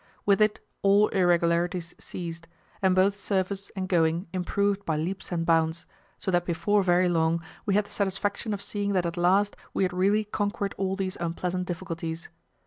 With it all irregularities ceased, and both surface and going improved by leaps and bounds, so that before very long we had the satisfaction of seeing that at last we had really conquered all these unpleasant difficulties.